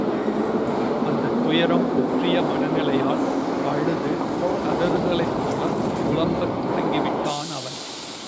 அந்தத் துயரம் முற்றிய மனநிலையால் அழுது கதறுதலைப் போலப் புலம்பத் தொடங்கிவிட்டான் அவன்.